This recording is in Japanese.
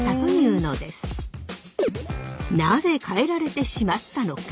なぜ変えられてしまったのか？